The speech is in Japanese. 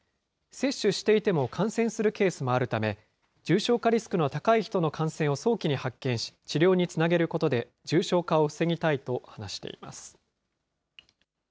接種していても感染するケースもあるため、重症化リスクの高い人の感染を早期に発見し、治療につなげることで、重症化を防ぎたいと話しています。